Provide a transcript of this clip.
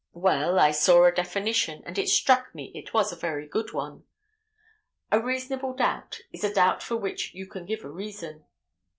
Well, I saw a definition, and it struck me it was a very good one. A reasonable doubt is a doubt for which you can give a reason.